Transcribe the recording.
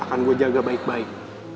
akan gue jaga baik baik